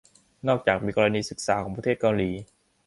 นอกจากจะมีกรณีศึกษาของประเทศเกาหลี